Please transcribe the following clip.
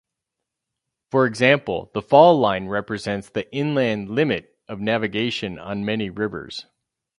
For example, the fall line represents the inland limit of navigation on many rivers.